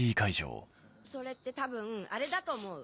それって多分あれだと思う。